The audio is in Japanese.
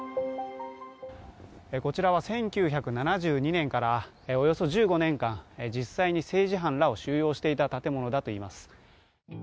こちらは１９７２年からおよそ１５年間、実際に政治犯を収容していた建物だといいます。